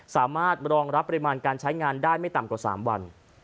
สามารถรองรับปริมาณการใช้งานได้ไม่ต่ำกว่า๓วัน